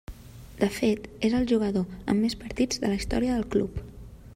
De fet, és el jugador amb més partits de la història del club.